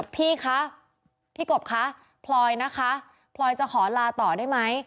พี่คะพี่กบคะพลอยนะคะพลอยจะขอลาต่อได้ไหม